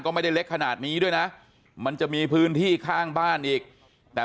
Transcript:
ก็ไม่ได้เล็กขนาดนี้ด้วยนะมันจะมีพื้นที่ข้างบ้านอีกแต่